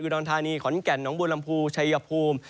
อิวดองทานีขอนแก่นหนองบูลลำพูชายยภูมิ